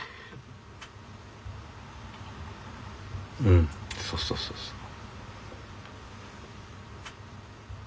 うんそうそうそうそう。